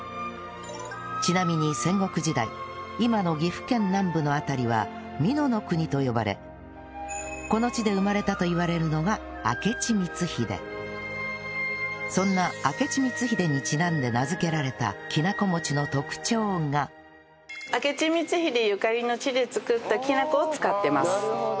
ちなみに戦国時代今の岐阜県南部の辺りは美濃国と呼ばれこの地で生まれたといわれるのがそんな明智光秀にちなんで名付けられたきなこ餅の特徴がを使ってます。